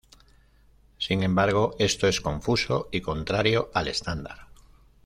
Sin embargo, esto es confuso y contrario al estándar.